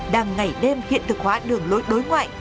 đang ngày đêm hiện thực hóa đường lối đối ngoại